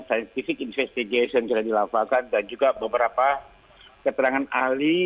scientific investigation sudah dilakukan dan juga beberapa keterangan ahli